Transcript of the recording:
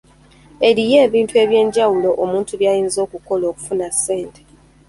Eriyo ebintu eby'enjawulo omuntu by'ayinza okukola okufuna ssente.